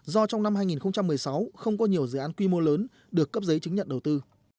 do trong năm hai nghìn một mươi sáu không có nhiều dự án quy mô lớn được cấp giấy chứng nhận đầu tư